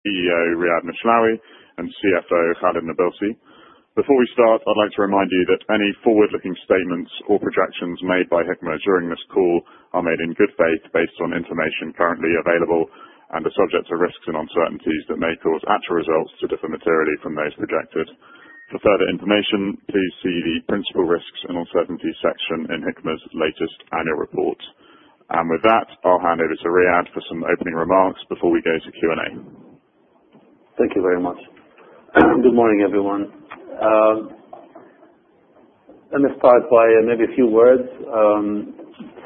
CEO Riad Mishlawi and CFO Khalid Nabilsi. Before we start, I'd like to remind you that any forward-looking statements or projections made by Hikma during this call are made in good faith based on information currently available and are subject to risks and uncertainties that may cause actual results to differ materially from those projected. For further information, please see the principal risks and uncertainties section in Hikma latest annual report. I'll hand over to Riad for some opening remarks before we go to Q&A. Thank you very much. Good morning, everyone. Maybe a few words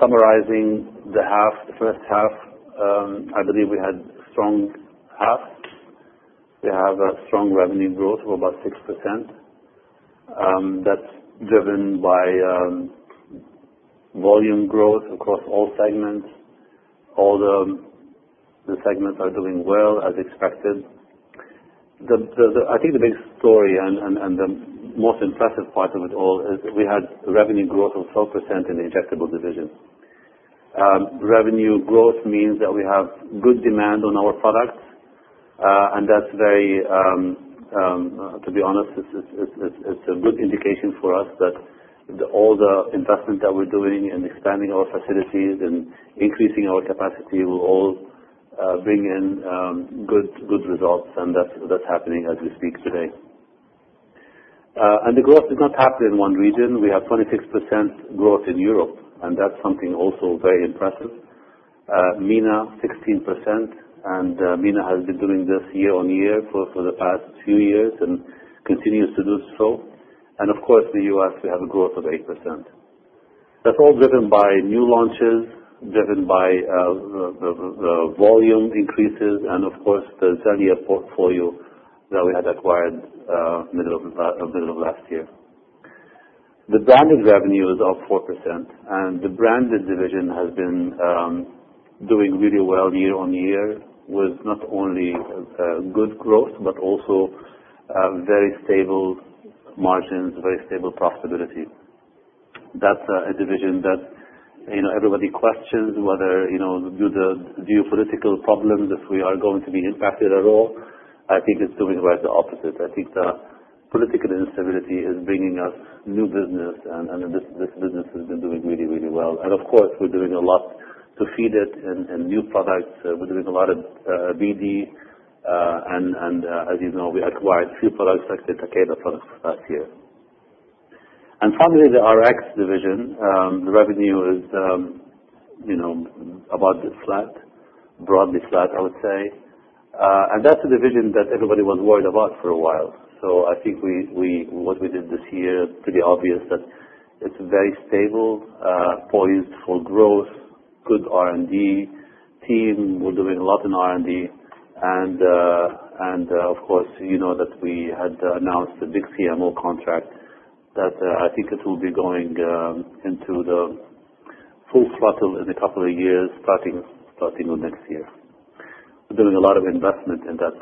summarizing the half, the first half. I believe we had a strong half. We have a strong revenue growth of about 6%. That's driven by volume growth across all segments. All the segments are doing well as expected. I think the big story and the most impressive part of it all is that we had revenue growth of 12% in the injectables division. Revenue growth means that we have good demand on our products, and that's very, to be honest, it's a good indication for us that all the investment that we're doing in expanding our facilities and increasing our capacity will all bring in good results. That's happening as we speak today. The growth did not happen in one region. We have 26% growth in Europe, and that's something also very impressive. MENA 16% and MENA has been doing this year-on-year for the past few years and continues to do so. Of course, in the U.S., we have a growth of 8%. That's all driven by new launches, driven by volume increases, and of course, the Zenith portfolio that we had acquired middle of last year. The branded revenue is up 4%, and the branded division has been doing really well year-on-year with not only good growth but also very stable margins, very stable profitability. That's a division that, you know, everybody questions whether, you know, do the geopolitical problems, if we are going to be impacted at all. I think it's doing right the opposite. I think the political instability is bringing us new business. This business has been doing really, really well. Of course, we're doing a lot to feed it in new products. We're doing a lot of BD, and, as you know, we acquired a few products like the Takeda product last year. Finally, the generics RX division. The revenue is, you know, about flat, broadly flat, I would say. That's a division that everybody was worried about for a while. I think what we did this year, pretty obvious, that it's very stable, poised for growth, good R&D team. We're doing a lot in R&D. Of course, you know that we had announced a big CMO contract that I think will be going into full throttle in a couple of years, starting with next year. We're doing a lot of investment in that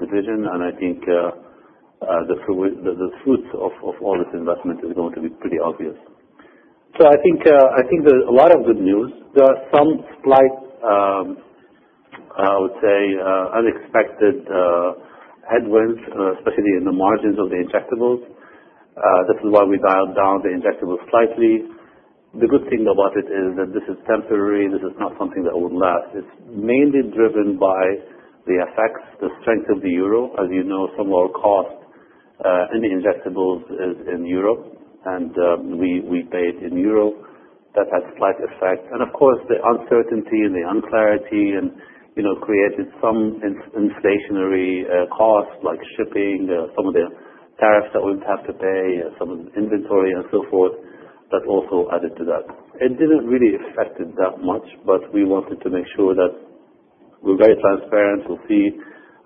division, and I think the fruits of all this investment are going to be pretty obvious. I think there's a lot of good news. There are some slight, I would say, unexpected headwinds, especially in the margins of the injectables. This is why we dialed down the injectables slightly. The good thing about it is that this is temporary. This is not something that will last. It's mainly driven by the effects, the strength of the euro. As you know, some of our cost in the injectables is in euro, and we pay it in euro. That has a slight effect. Of course, the uncertainty and the unclarity created some inflationary costs like shipping, some of the tariffs that we would have to pay, some of the inventory, and so forth. That's also added to that. It didn't really affect it that much, but we wanted to make sure that we're very transparent. We'll see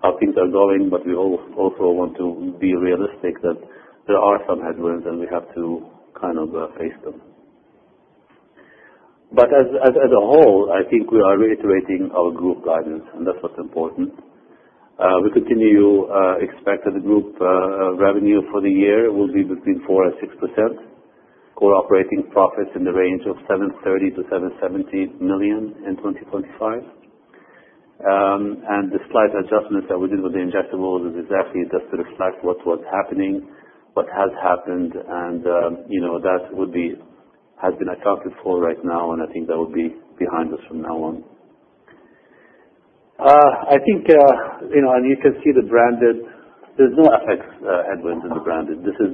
how things are going. We also want to be realistic that there are some headwinds, and we have to kind of face them. As a whole, I think we are reiterating our group guidance, and that's what's important. We continue to expect that the group revenue for the year will be between 4% and 6%. Core operating profits in the range of $730 million-$770 million in 2025. The slight adjustment that we did with the injectables is exactly just to reflect what's happening, what has happened, and that has been accounted for right now. I think that will be behind us from now on. You can see the branded. There's no FX headwinds in the branded. This is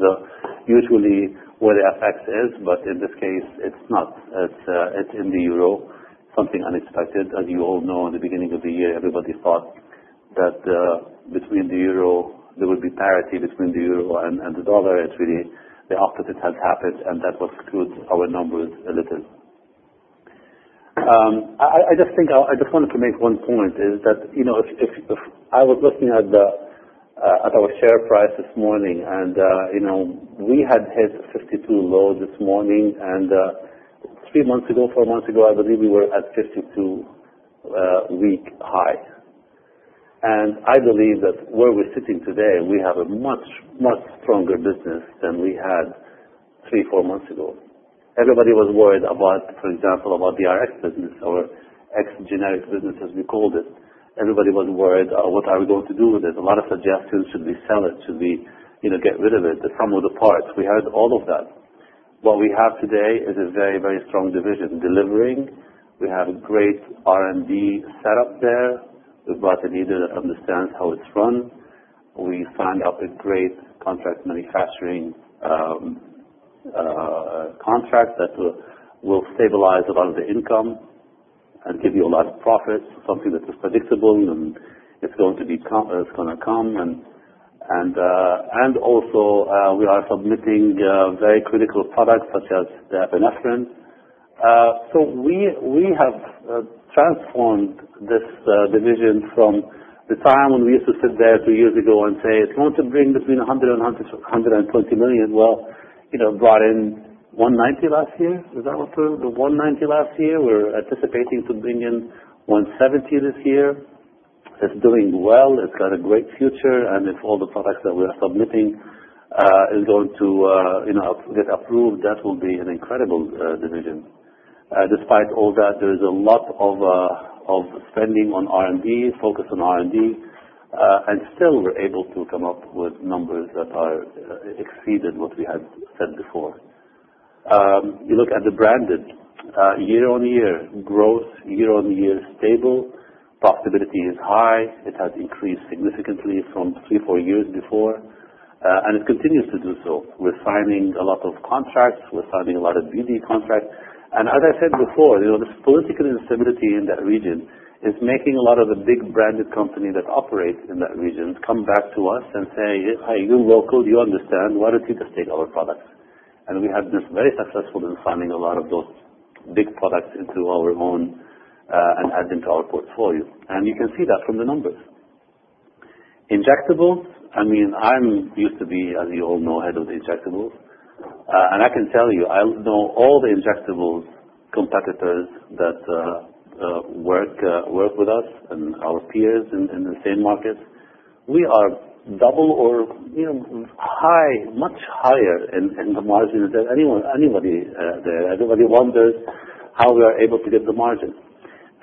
usually where the FX is, but in this case, it's not. It's in the euro, something unexpected. As you all know, at the beginning of the year, everybody thought that between the euro, there would be parity between the euro and the dollar. It's really the opposite has happened, and that will screw our numbers a little. I just wanted to make one point, that if I was looking at our share price this morning, we had hit 52 low this morning. Three months ago, four months ago, I believe we were at 52 week high. I believe that where we're sitting today, we have a much, much stronger business than we had three, four months ago. Everybody was worried about, for example, about the RX business or Rx generics division, as we called it. Everybody was worried, what are we going to do with it? A lot of suggestions. Should we sell it? Should we get rid of it, some of the parts? We had all of that. What we have today is a very, very strong division delivering. We have a great R&D setup there. We've got a leader that understands how it's run. We signed up a great contract manufacturing contract that will stabilize a lot of the income and give you a lot of profits, something that is predictable. It's going to come. Also, we are submitting very critical products such as the epinephrine nasal spray. We have transformed this division from the time when we used to sit there two years ago and say, "It's going to bring between $100 million and $120 million." You know, it brought in $190 million last year. Is that what the $190 million last year? We're anticipating to bring in $170 million this year. It's doing well. It's got a great future. If all the products that we are submitting are going to get approved, that will be an incredible division. Despite all that, there is a lot of spending on R&D, focus on R&D, and still, we're able to come up with numbers that have exceeded what we had said before. You look at the branded division. Year-on-year growth, year-on-year stable. Profitability is high. It has increased significantly from three, four years before, and it continues to do so. We're signing a lot of contracts. We're signing a lot of BD contracts. As I said before, this political instability in that region is making a lot of the big branded companies that operate in that region come back to us and say, "Hey, you're local. Do you understand? Why don't you just take our products?" We have been very successful in signing a lot of those big products into our own and adding to our portfolio. You can see that from the numbers. Injectables, I mean, I used to be, as you all know, head of the injectables. I can tell you, I know all the injectable competitors that work with us and our peers in the same markets. We are double or, you know, much higher in the margin than anybody there. Everybody wonders how we are able to get the margins.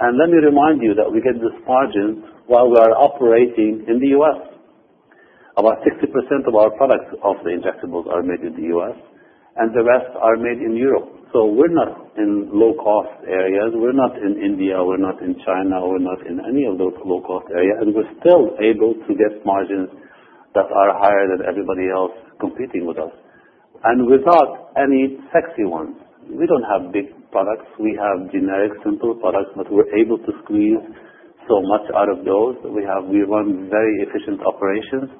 Let me remind you that we get this margin while we are operating in the U.S. About 60% of our products of the injectables are made in the U.S., and the rest are made in Europe. We're not in low-cost areas. We're not in India. We're not in China. We're not in any of those low-cost areas, and we're still able to get margins that are higher than everybody else competing with us, and without any sexy ones. We don't have big products. We have generic, simple products, but we're able to squeeze so much out of those that we have. We run very efficient operations,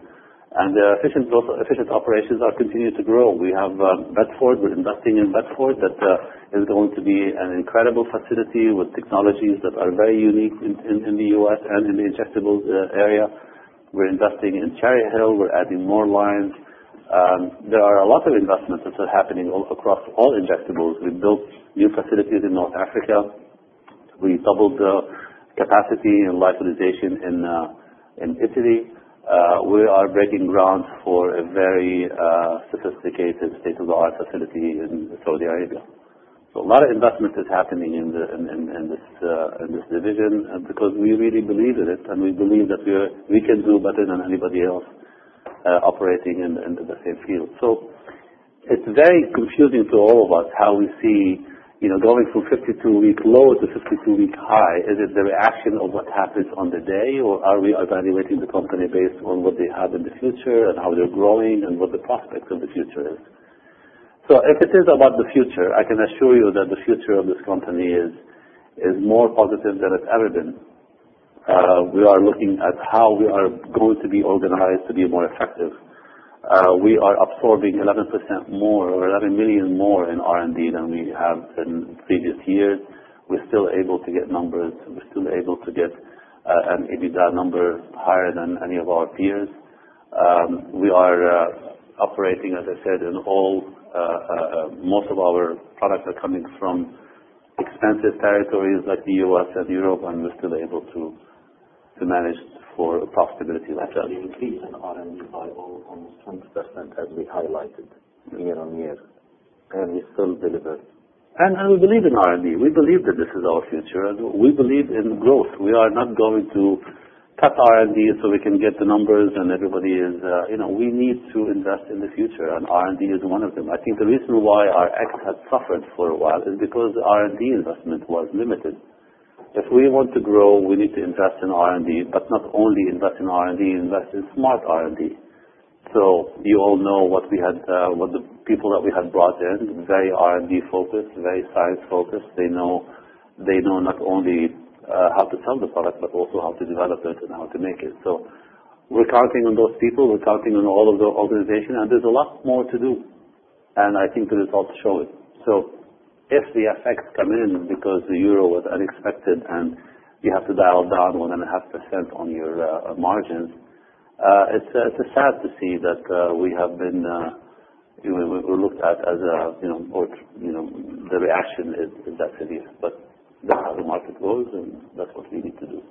and the efficient operations are continuing to grow. We have Bedford. We're investing in Bedford. That is going to be an incredible facility with technologies that are very unique in the U.S. and in the injectables area. We're investing in Cherry Hill. We're adding more lines. There are a lot of investments that are happening all across all injectables. We built new facilities in North Africa. We doubled the capacity and localization in Italy. We are breaking ground for a very sophisticated state-of-the-art facility in Saudi Arabia. A lot of investment is happening in this division because we really believe in it, and we believe that we can do better than anybody else operating in the same field. It's very confusing to all of us how we see, you know, going from 52-week low to 52-week high. Is it the reaction of what happens on the day, or are we evaluating the company based on what they have in the future and how they're growing and what the prospects of the future is? If it is about the future, I can assure you that the future of this company is more positive than it's ever been. We are looking at how we are going to be organized to be more effective. We are absorbing 11% more or $11 million more in R&D than we have in previous years. We're still able to get numbers. We're still able to get an EBITDA number higher than any of our peers. We are operating, as I said, in all, most of our products are coming from expensive territories like the U.S. and Europe, and we're still able to manage for a profitability like that. We increase in R&D by almost 20%, as we highlighted, year-on-year, and we still deliver. We believe in R&D. We believe that this is our future, and we believe in growth. We are not going to cut R&D so we can get the numbers, and everybody is, you know, we need to invest in the future, and R&D is one of them. I think the reason why RX had suffered for a while is because the R&D investment was limited. If we want to grow, we need to invest in R&D, but not only invest in R&D, invest in smart R&D. You all know what we had, what the people that we had brought in, very R&D focused, very science focused. They know, they know not only how to sell the product but also how to develop it and how to make it. We're counting on those people. We're counting on all of the organization. There's a lot more to do, and I think the results show it. If the FX impacts come in because the euro was unexpected and you have to dial down 1.5% on your margins, it's sad to see that we have been, you know, we're looked at as, you know, or, you know, the reaction is exactly there. That's how the market goes, and that's what we need to do.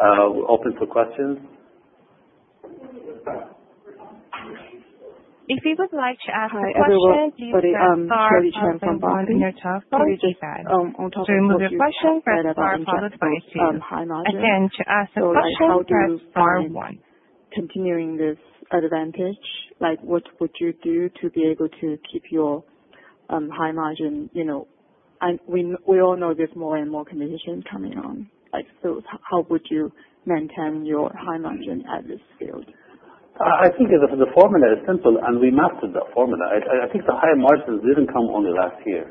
We're open for questions. If you would like to ask everyone for the, sorry for interrupting. We just had, on. Sharing with your questions. It's our process, for instance, to ask a question to inform one. Continuing this advantage, what would you do to be able to keep your high margin? We all know there's more and more competition coming on, so how would you maintain your high margin at this field? I think the formula is simple. We mastered that formula. I think the high margins didn't come only last year.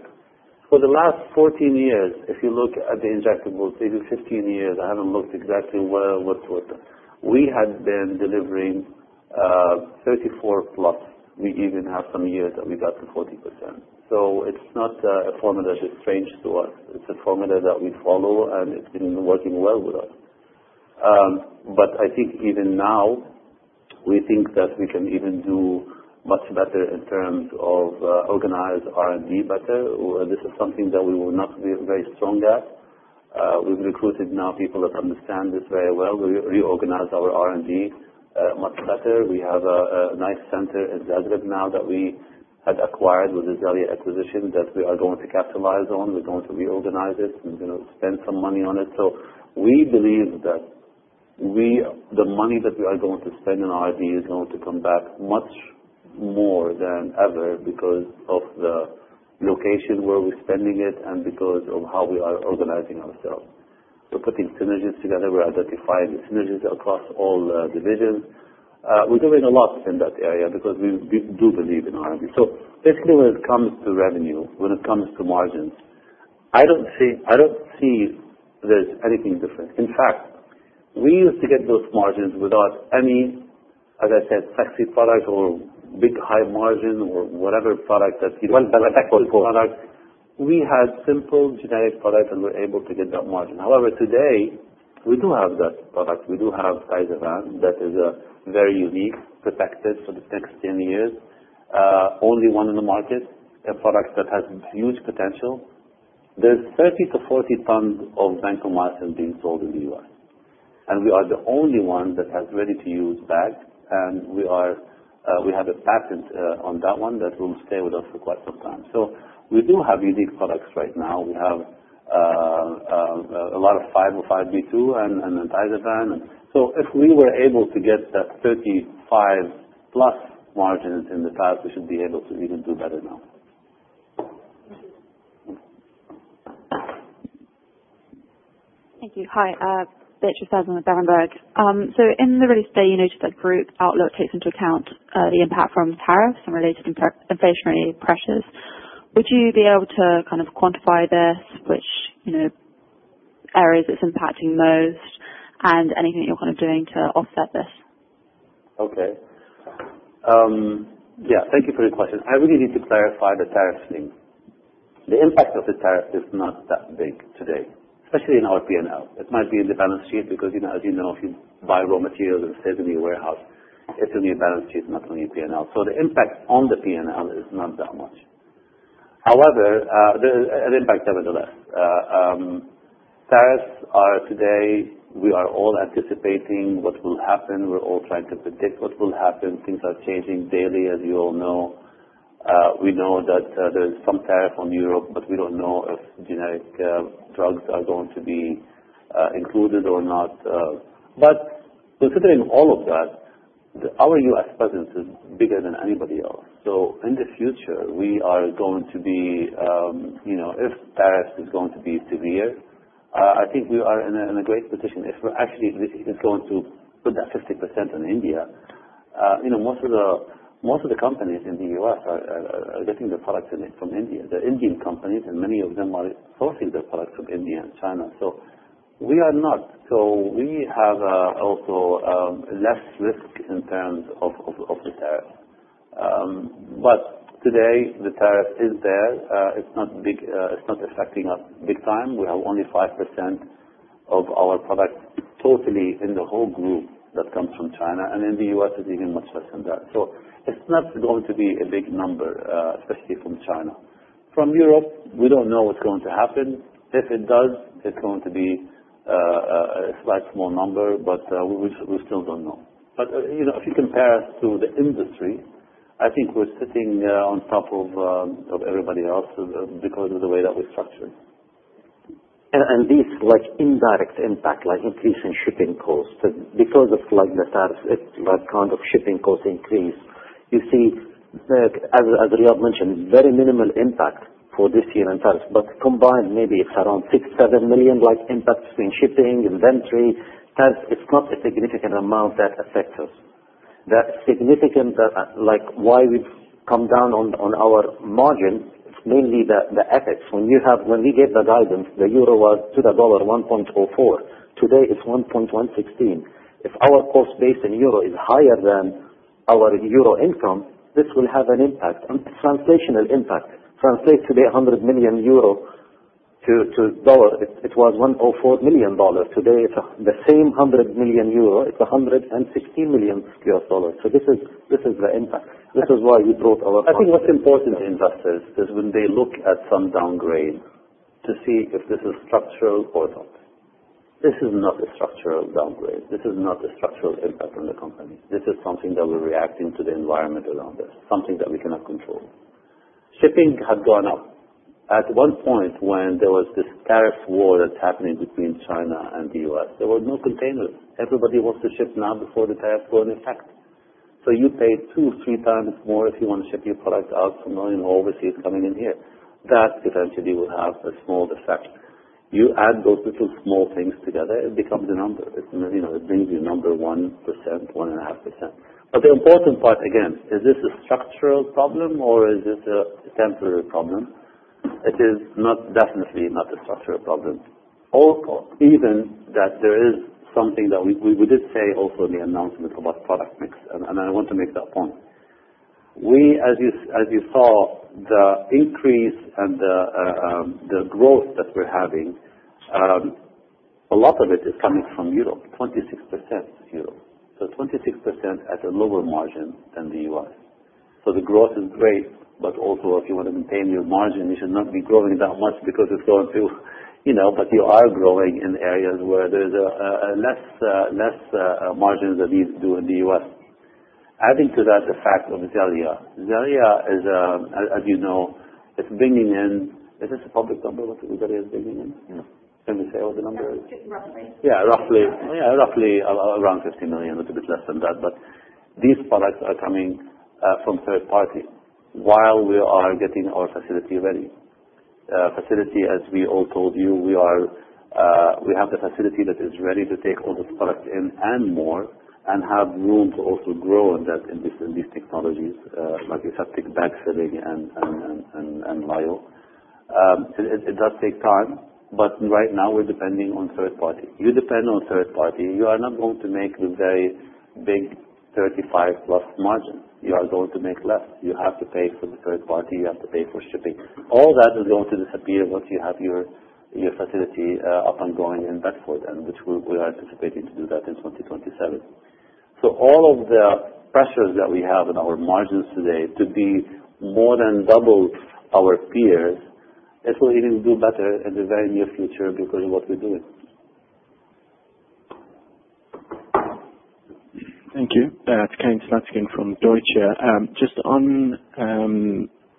For the last 14 years, if you look at the injectables, maybe 15 years, I haven't looked exactly where, what we had been delivering, 34%+. We even have some years that we got to 40%. It's not a formula that is strange to us. It's a formula that we follow, and it's been working well with us. I think even now, we think that we can even do much better in terms of organizing R&D better. This is something that we were not very strong at. We've recruited now people that understand this very well. We reorganize our R&D much better. We have a nice center in Zagreb now that we had acquired with the Zelia acquisition that we are going to capitalize on. We're going to reorganize it and, you know, spend some money on it. We believe that the money that we are going to spend in R&D is going to come back much more than ever because of the location where we're spending it and because of how we are organizing ourselves. We're putting synergies together. We're identifying the synergies across all divisions. We're doing a lot in that area because we do believe in R&D. Basically, when it comes to revenue, when it comes to margins, I don't see there's anything different. In fact, we used to get those margins without any, as I said, sexy product or big, high margin or whatever product that you want. If it was a product, we had simple generic products, and we were able to get that margin. However, today, we do have that product. We do have Civasan that is very unique, protected for the next 10 years, only one in the market. A product that has huge potential. There's 30-40 tons of vancomycin being sold in the US, and we are the only one that has ready-to-use bags. We have a patent on that one that will stay with us for quite some time. We do have unique products right now. We have a lot of 505(b)(2) and Alzovan. If we were able to get that 35%+ margins in the past, we should be able to even do better now. Thank you. Hi. Beatrice Fairbairn with Berenberg. In the release date, you noted that group outlook takes into account the impact from tariffs and related inflationary pressures. Would you be able to kind of quantify this, which areas it's impacting most, and anything that you're kind of doing to offset this? Okay. Thank you for your question. I really need to clarify the tariff scheme. The impact of the tariff is not that big today, especially in our P&L. It might be in the balance sheet because, you know, as you know, if you buy raw materials and it stays in your warehouse, it's in your balance sheet, not only P&L. The impact on the P&L is not that much. However, there is an impact nevertheless. Tariffs are today, we are all anticipating what will happen. We're all trying to predict what will happen. Things are changing daily, as you all know. We know that there is some tariff on Europe. We don't know if generic drugs are going to be included or not. Considering all of that, our U.S. presence is bigger than anybody else. In the future, we are going to be, you know, if tariffs are going to be severe, I think we are in a great position. If we're actually going to put that 50% in India, you know, most of the companies in the U.S. are getting their products from India. They're Indian companies. Many of them are sourcing their products from India and China. We are not. We have also less risk in terms of the tariff. Today, the tariff is there. It's not big. It's not affecting us big time. We have only 5% of our product totally in the whole group that comes from China. In the U.S., it's even much less than that. It's not going to be a big number, especially from China. From Europe, we don't know what's going to happen. If it does, it's going to be a slight small number. We still don't know. If you compare us to the industry, I think we're sitting on top of everybody else because of the way that we're structured. These indirect impacts, like increasing shipping costs because of the tariffs, it's that kind of shipping cost increase. You see, as Riad mentioned, very minimal impact for this year in tariffs. Combined, maybe it's around $6 million, $7 million impacts in shipping, inventory. Tariffs, it's not a significant amount that affects us. The significant, like why we've come down on our margins, it's mainly the FX. When you have, when we get the guidance, the euro was to the dollar 1.04. Today it's 1.116. If our cost based in euro is higher than our euro income, this will have an impact, a translational impact. Translates to be 100 million euro to dollar. It was $104 million. Today, it's the same 100 million euro. It's $116 million. This is the impact. This is why we brought our product. I think what's important to investors is when they look at some downgrade to see if this is structural or not. This is not a structural downgrade. This is not a structural impact on the company. This is something that we're reacting to the environment around us, something that we cannot control. Shipping had gone up. At one point when there was this tariff war that's happening between China and the U.S., there were no containers. Everybody wants to ship now before the tariffs go in effect. You pay two, three times more if you want to ship your product out from overseas coming in here. That eventually will have a small effect. You add those little small things together. It becomes the number. It brings you number 1%, 1.5%. The important part, again, is this a structural problem or is it a temporary problem? It is not, definitely not, a structural problem. Even that there is something that we did say also in the announcement about product mix. I want to make that point. As you saw, the increase and the growth that we're having, a lot of it is coming from Europe, 26% Europe. So 26% at a lower margin than the U.S. The growth is great. Also, if you want to maintain your margin, you should not be growing that much because it's so and so, but you are growing in areas where there's less, less margins than we do in the U.S. Adding to that the fact of Xellia. Xellia, as you know, it's bringing in, is this a public number of what Xellia is bringing in? Yeah. Can we say what the number is? 50 million. Yeah, roughly. Yeah, roughly around $50 million. A little bit less than that. These products are coming from third party while we are getting our facility ready. As we all told you, we have the facility that is ready to take all those products in and more and have room to also grow in these technologies, like we said, thick bag sealing and LIO. It does take time. Right now, we're depending on third party. You depend on third party. You are not going to make the very big 35+ margin. You are going to make less. You have to pay for the third party. You have to pay for shipping. All that is going to disappear once you have your facility up and going in Bedford, which we are anticipating to do in 2027. All of the pressures that we have in our margins today to be more than double our peers, it will even do better in the very near future because of what we're doing. Thank you. It's Kane Slutzkin from Deutsche. Just on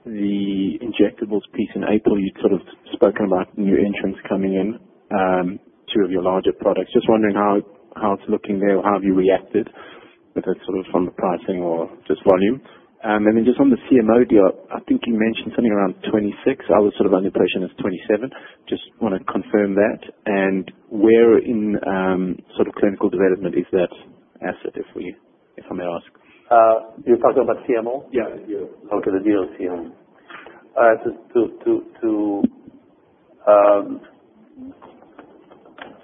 the injectables piece in April, you'd sort of spoken about new entrants coming in, two of your larger products. Just wondering how it's looking there. How have you reacted, whether it's sort of from the pricing or just volume? Just on the CMO deal, I think you mentioned something around 26. I was sort of under pressure as 27. Just want to confirm that. Where in clinical development is that asset if I may ask? You're talking about CMO? Yeah. Okay. The deal CMO.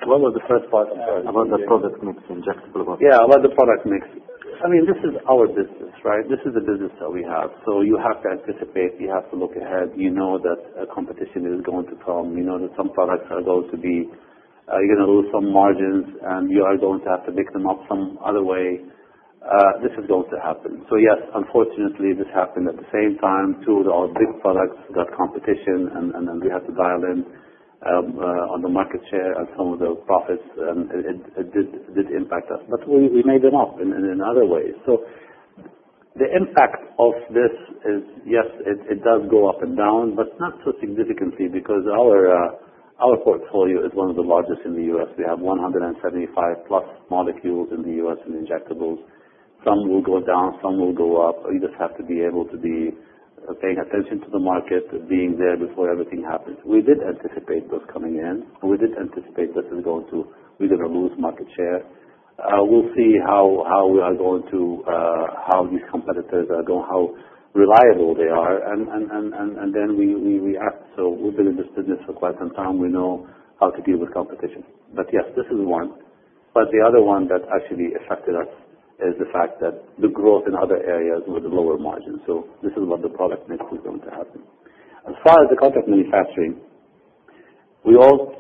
What was the first part? About the product mix, injectable one. Yeah, about the product mix. I mean, this is our business, right? This is the business that we have. You have to anticipate. You have to look ahead. You know that competition is going to come. You know that some products are going to be, you're going to lose some margins. You are going to have to pick them up some other way. This is going to happen. Yes, unfortunately, this happened at the same time. Two of our big products got competition. Then we had to dial in on the market share and some of the profits. It did impact us. We made them up in other ways. The impact of this is, yes, it does go up and down, but not so significantly because our portfolio is one of the largest in the U.S. We have 175+ molecules in the U.S. in injectables. Some will go down. Some will go up. We just have to be able to be paying attention to the market, being there before everything happens. We did anticipate those coming in. We did anticipate that we were going to lose market share. We'll see how we are going to, how these competitors are going, how reliable they are. Then we act. We've been in this business for quite some time. We know how to deal with competition. Yes, this is one. The other one that actually affected us is the fact that the growth in other areas was with a lower margin. This is what the product mix was going to happen. As far as the contract manufacturing, we all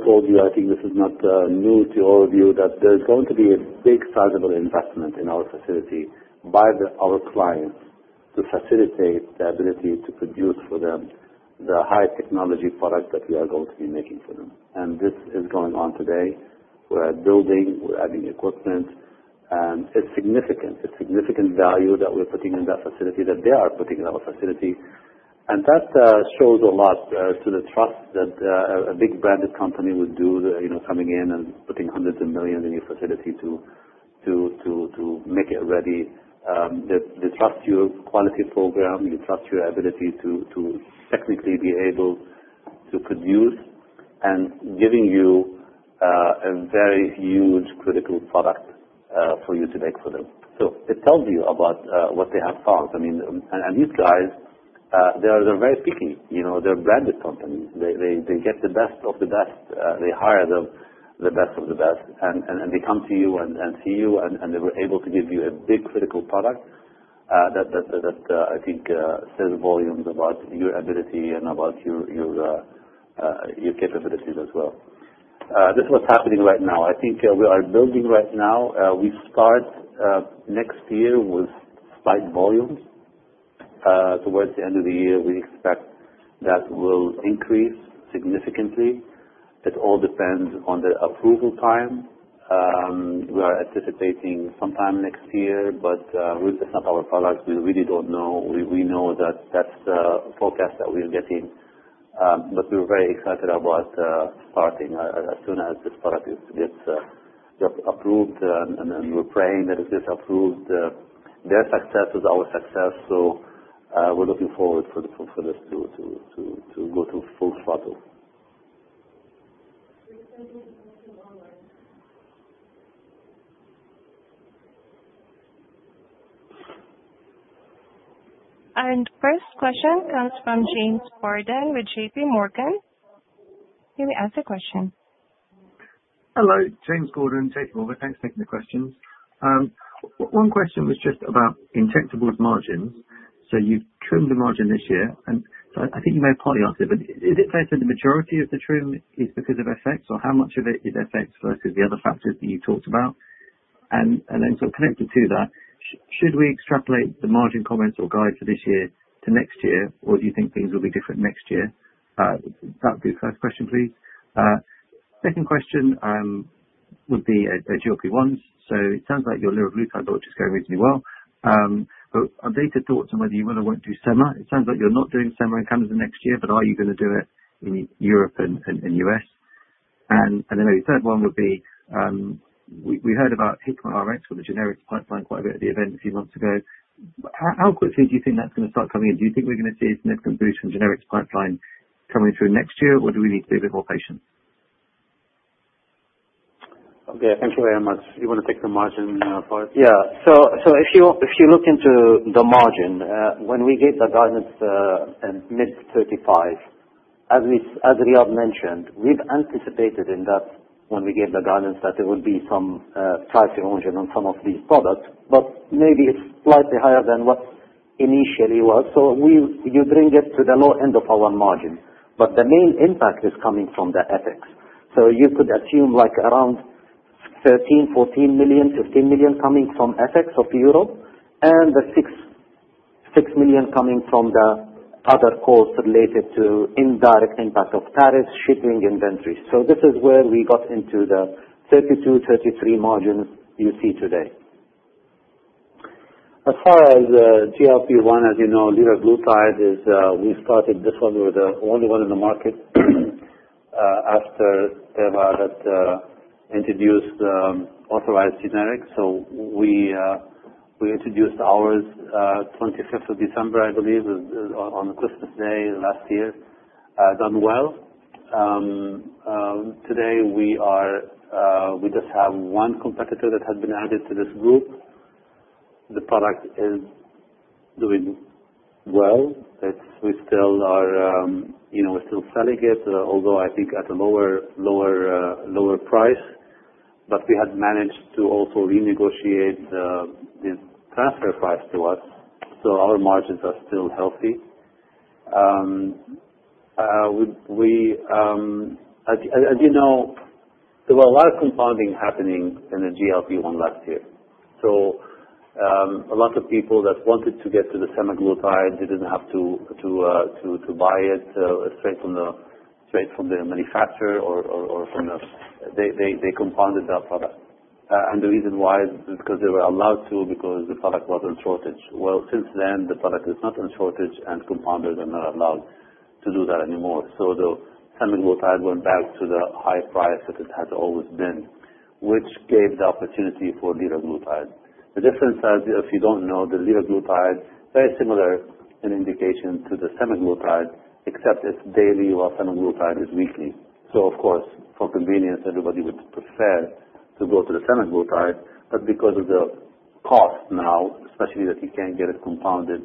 told you, I think this is not new to your view, that there's going to be a big sizable investment in our facility by our clients to facilitate the ability to produce for them the high-technology product that we are going to be making for them. This is going on today. We're building. We're adding equipment. It's significant. It's significant value that we're putting in that facility, that they are putting in our facility. That shows a lot, the trust that a big branded company would do, coming in and putting hundreds of millions in your facility to make it ready. The trust your quality program, the trust your ability to technically be able to produce, and giving you a very huge critical product for you to make for them. It tells you about what they have found. These guys, they're very picky. They're a branded company. They get the best of the best. They hire the best of the best, and they come to you and see you. They were able to give you a big critical product that I think says volumes about your ability and about your capabilities as well. This is what's happening right now. I think we are building right now. We start next year with slight volumes. Towards the end of the year, we expect that will increase significantly. It all depends on the approval time. We are anticipating sometime next year. It's not our product. We really don't know. We know that that's a forecast that we're getting, but we're very excited about starting as soon as this product gets approved. We're praying that it gets approved. Their success is our success. We're looking forward for this to go to full throttle. The first question comes from James Gordon with JPMorgan. May we ask a question? Hello. James Gordon, JPMorgan. Thanks for taking the question. One question was just about injectables margins. You trimmed the margin this year. I think you may have partly answered it. Is it fair to say the majority of the trim is because of FX? How much of it is FX versus the other factors that you talked about? Connected to that, should we extrapolate the margin comments or guides for this year to next year? Do you think things will be different next year? That would be the first question, please. Second question would be GLP-1s. It sounds like your liraglutide is going reasonably well. Are there any thoughts on whether you will or won't do SEMA? It sounds like you're not doing SEMA in Canada next year. Are you going to do it in Europe and U.S.? Maybe the third one would be, we heard about Hikma RX with the generics pipeline quite a bit at the event a few months ago. How quickly do you think that's going to start coming in? Do you think we're going to see a significant boost from generics pipeline coming through next year? Or do we need to be a bit more patient? Thanks very much. Do you want to take the margin part? If you look into the margin, when we gave the guidance, in mid-35, as Riad mentioned, we anticipated in that when we gave the guidance that there would be some price range on some of these products. Maybe it's slightly higher than what initially was. You bring it to the low end of our margin, but the main impact is coming from the FX. You could assume around $13 million, $14 million, $15 million coming from FX of Europe, and the $6 million coming from the other quotes related to indirect impact of tariffs, shipping, inventories. This is where we got into the 32%, 33% margin you see today. As far as GLP-1, as you know, liraglutide is, we've started this one. We're the only one in the market, after Teva, that introduced authorized generics. We introduced ours, 25th of December, I believe, on Christmas Day last year. Done well. Today we just have one competitor that had been added to this group. The product is doing well. We still are, you know, we're still selling it, although I think at a lower, lower, lower price. We had managed to also renegotiate this transfer price to us, so our margins are still healthy. As you know, there was a lot of compounding happening in the GLP-1 last year. A lot of people that wanted to get to the Semaglutide, they didn't have to buy it straight from the manufacturer or from the, they compounded that product. The reason why is because they were allowed to because the product was on shortage. Since then, the product is not in shortage, and compounders are not allowed to do that anymore. The Semaglutide went back to the high price that it had always been, which gave the opportunity for liraglutide. The difference is, if you don't know, the liraglutide is very similar in indication to the Semaglutide, except it's daily while Semaglutide is weekly. Of course, for convenience, everybody would prefer to go to the Semaglutide. Because of the cost now, especially that you can't get it compounded,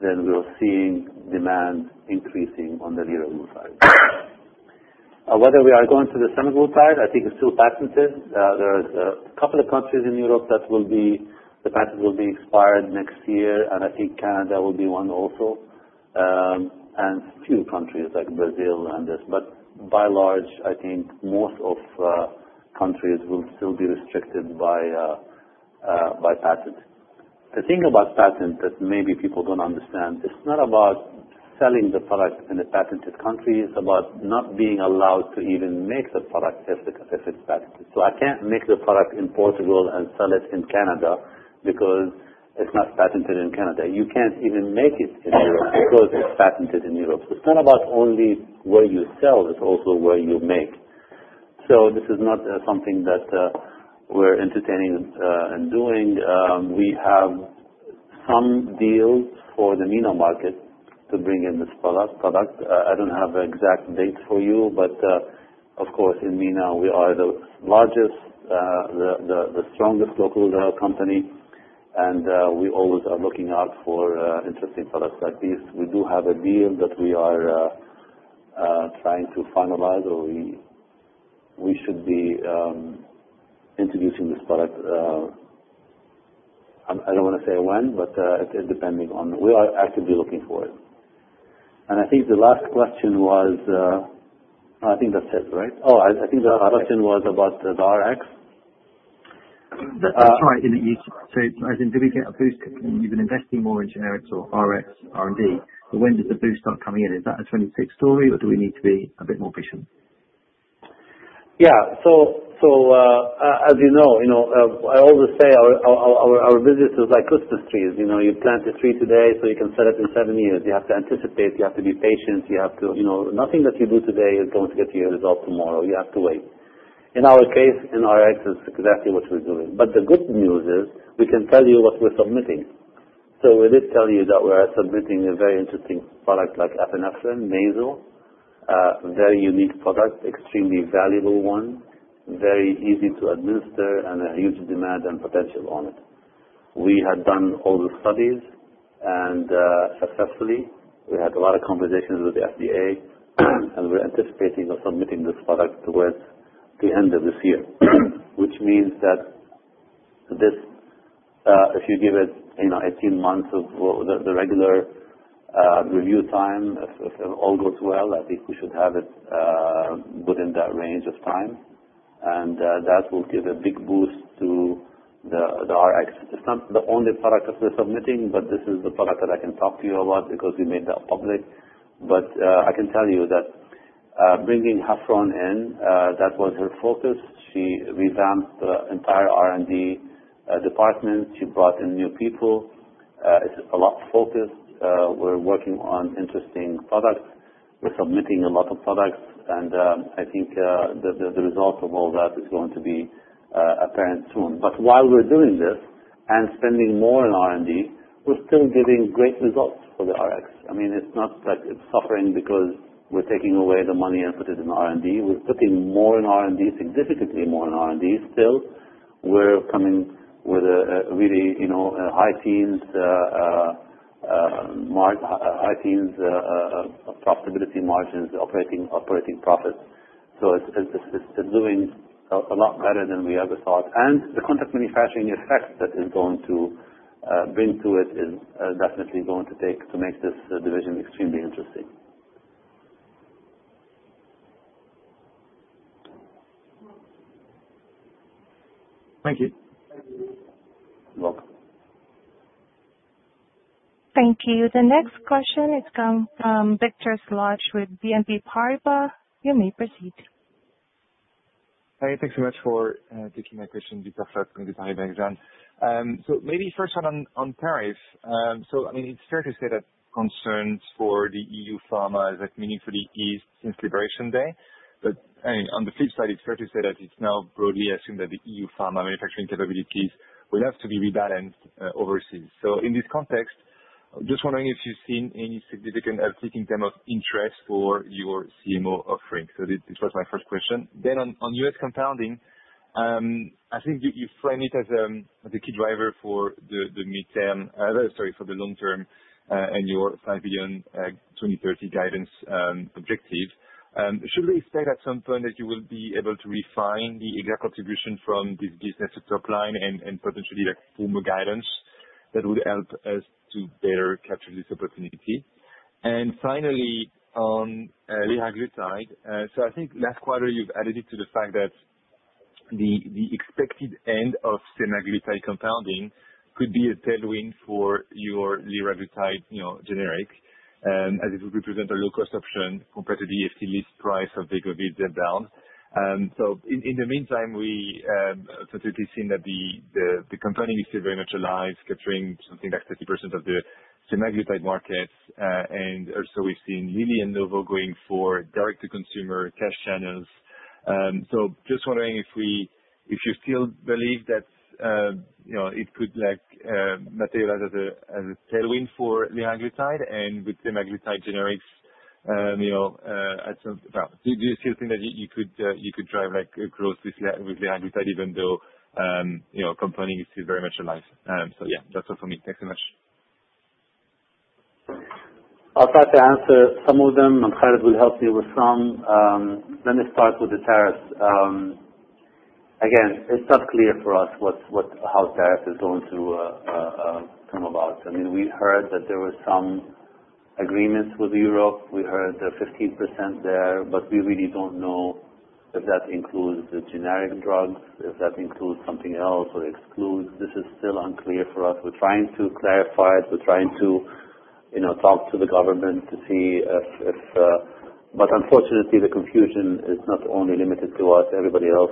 we're seeing demand increasing on the liraglutide. Whether we are going to the Semaglutide I think it's still patented. There are a couple of countries in Europe that will be, the patent will be expired next year. I think Canada will be one also, and a few countries like Brazil and this. By and large, I think most countries will still be restricted by patent. The thing about patent that maybe people don't understand, it's not about selling the product in a patented country. It's about not being allowed to even make the product if it's patented. I can't make the product in Portugal and sell it in Canada because it's not patented in Canada. You can't even make it in Europe because it's patented in Europe. It's not about only where you sell. It's also where you make. This is not something that we're entertaining and doing. We have some deals for the MENA market to bring in this product. I don't have an exact date for you. In MENA, we are the largest, the strongest local companies, and we always are looking out for interesting products like these. We do have a deal that we are trying to finalize, or we should be introducing this product. I don't want to say when. It's depending on, we are actively looking for it. I think the last question was, I think that's it, right? Oh, I think the question was about the RX. Sorry, in the East. I think given you get a boost, you've been investing more in generics or RX R&D. When does the boost start coming in? Is that a 20-page story, or do we need to be a bit more patient? Yeah. As you know, I always say our visit is like Christmas trees. You plant a tree today so you can sell it in seven years. You have to anticipate. You have to be patient. Nothing that you do today is going to get you a result tomorrow. You have to wait. In our case, in RX, it's exactly what we're doing. The good news is we can tell you what we're submitting. We did tell you that we are submitting a very interesting product like epinephrine nasal spray. Very unique product. Extremely valuable one. Very easy to administer. A huge demand and potential on it. We had done all the studies successfully. We had a lot of conversations with the FDA, and we're anticipating submitting this product towards the end of this year, which means that if you give it 18 months of the regular review time, if it all goes well, I think we should have it within that range of time. That will give a big boost to the RX. It's not the only product that we're submitting, but this is the product that I can talk to you about because we made that public. I can tell you that bringing Hafrun in, that was her focus. She revamped the entire R&D department. She brought in new people. It's a lot of focus. We're working on interesting products. We're submitting a lot of products. I think the result of all that is going to be apparent soon. While we're doing this and spending more in R&D, we're still giving great results for the RX. It's not that it's suffering because we're taking away the money and putting it in R&D. We're putting more in R&D, significantly more in R&D still. We're coming with a really, you know, high teens, high teens, profitability margins, operating profits. It's doing a lot better than we ever thought. The contract manufacturing effects that is going to bring to it is definitely going to make this division extremely interesting. Thank you. You're welcome. Thank you. The next question is coming from Victor Slotch with BNP Paribas. You may proceed. Hey, thanks very much for taking my question. You can start with my exam. Maybe first on tariffs. It's fair to say that concerns for the EU pharma have meaningfully eased since Liberation Day. On the flip side, it's fair to say that it's now broadly assumed that the EU pharma manufacturing capabilities will have to be rebalanced overseas. In this context, just wondering if you've seen any significant uptick in terms of interest for your CMO offering. This was my first question. On U.S. compounding, I think you frame it as the key driver for the long-term and your $5 billion 2030 guidance objective. Should we expect at some point that you will be able to refine the exact contribution from this business to top line and potentially the PUMA guidance that would help us to better capture this opportunity? Finally, on liraglutide. Last quarter, you added that the expected end of Semaglutide compounding could be a tailwind for your liraglutide generic, as it would represent a low-cost option compared to the FT lease price of [COVID step down]. In the meantime, we've seen that compounding is still very much alive, capturing something like 30% of the Semaglutide markets. We've also seen Lilly and Novo going for direct-to-consumer cash channels. Just wondering if you still believe that it could materialize as a tailwind for liraglutide and with Semaglutide generics at some point. Do you still think that you could drive growth with Semaglutide even though compounding is still very much alive? That's all for me. Thanks very much. I'll try to answer some of them. I'm excited we'll help you with some. Let me start with the tariffs. Again, it's not clear for us how tariffs are going to come about. We heard that there were some agreements with Europe. We heard there are 15% there. We really don't know if that includes the generic drugs, if that includes something else or excludes. This is still unclear for us. We're trying to clarify it. We're trying to talk to the government to see if, but unfortunately, the confusion is not only limited to us. Everybody else,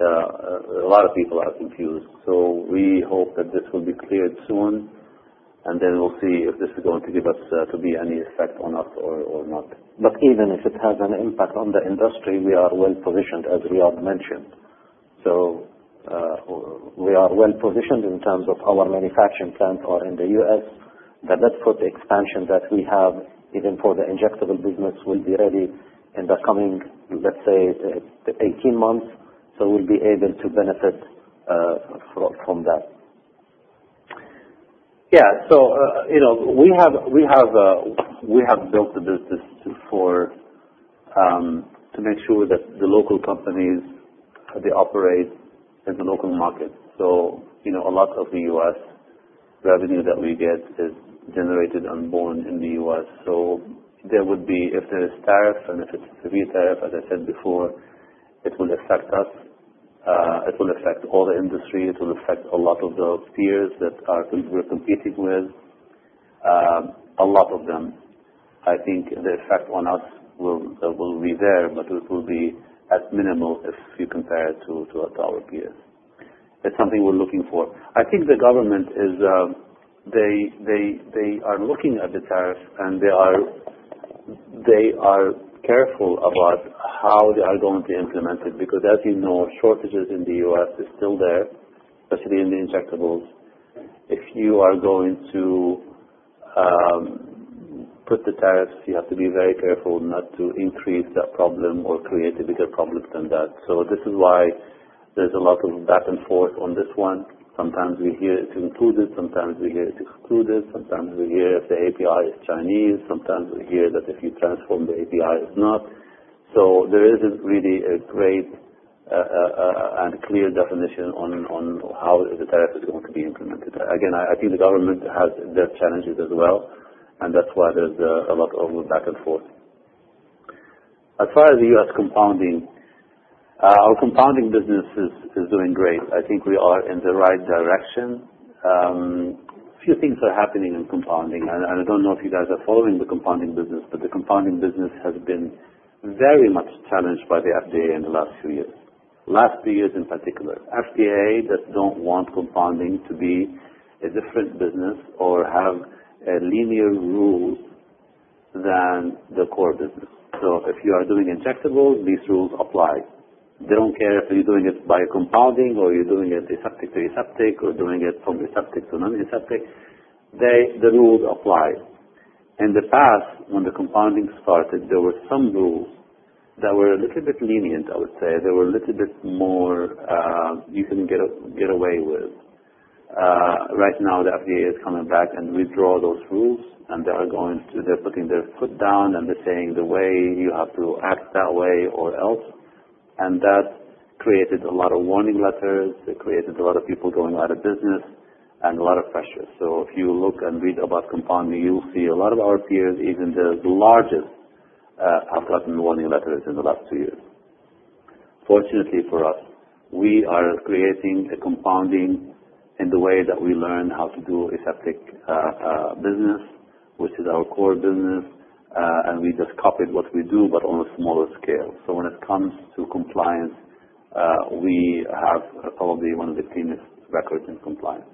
a lot of people are confused. We hope that this will be cleared soon. Then we'll see if this is going to give us any effect or not. Even if it has an impact on the industry, we are well positioned, as Riad mentioned. We are well positioned in terms of our manufacturing plants in the U.S. The Bedford expansion that we have, even for the injectables business, will be ready in the coming, let's say, 18 months. We'll be able to benefit from that. We have built this to make sure that the local companies operate in the local market. A lot of the U.S. revenue that we get is generated and born in the U.S. If there are tariffs and if it's a free tariff, as I said before, it will affect us. It will affect all the industry. It will affect a lot of those peers that we're competing with. A lot of them, I think, the effect on us will be there, but it will be minimal if you compare it to our peers. It's something we're looking for. I think the government is looking at the tariffs, and they are careful about how they are going to implement it because, as you know, shortages in the U.S. are still there, especially in the injectables. If you are going to put the tariffs, you have to be very careful not to increase that problem or create a bigger problem than that. This is why there's a lot of back and forth on this one. Sometimes we hear it's included. Sometimes we hear it's excluded. Sometimes we hear if the API is Chinese. Sometimes we hear that if you transform the API, it's not. There isn't really a great and clear definition on how the tariffs are going to be implemented. I think the government has their challenges as well, and that's why there's a lot of back and forth. As far as the U.S. compounding, our compounding business is doing great. I think we are in the right direction. A few things are happening in compounding. I don't know if you guys are following the compounding business, but the compounding business has been very much challenged by the FDA in the last few years, last few years in particular. FDA does not want compounding to be a different business or have a linear rule than the core business. If you are doing injectables, these rules apply. They don't care if you're doing it by compounding or you're doing it aseptic to aseptic or doing it from aseptic to non-aseptic. The rules apply. In the past, when the compounding started, there were some rules that were a little bit lenient, I would say. They were a little bit more you can get away with. Right now, the FDA is coming back and withdrawing those rules. They are going to, they're putting their foot down. They're saying the way you have to act that way or else. That created a lot of warning letters. It created a lot of people going out of business and a lot of pressure. If you look and read about compounding, you'll see a lot of our peers, even the largest, have gotten warning letters in the last two years. Fortunately for us, we are creating a compounding in the way that we learned how to do aseptic business, which is our core business. We just copied what we do but on a smaller scale. When it comes to compliance, we have probably one of the cleanest records in compliance.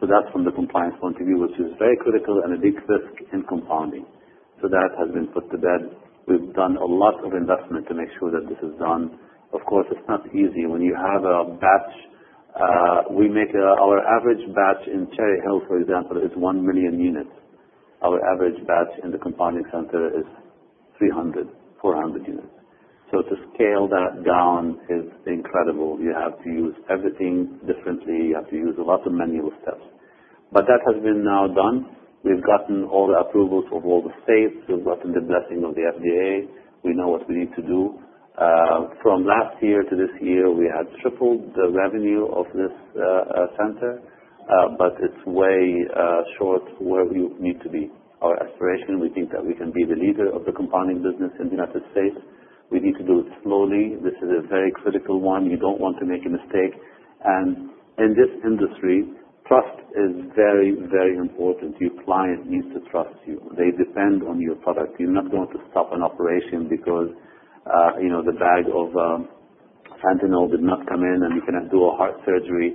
That's from the compliance point of view, which is very critical and a big risk in compounding. That has been put to bed. We've done a lot of investment to make sure that this is done. Of course, it's not easy when you have a batch. We make our average batch in Cherry Hill, for example, is 1 million units. Our average batch in the compounding center is 300, 400 units. To scale that down is incredible. You have to use everything differently. You have to use a lot of manual steps. That has been now done. We've gotten all the approvals of all the states. We've gotten the blessing of the FDA. We know what we need to do. From last year to this year, we had tripled the revenue of this center, but it's way short where we need to be. Our aspiration, we think that we can be the leader of the compounding business in the U.S. We need to do it slowly. This is a very critical one. You don't want to make a mistake. In this industry, trust is very, very important. Your client needs to trust you. They depend on your product. You're not going to stop an operation because, you know, the bag of fentanyl did not come in. You cannot do a heart surgery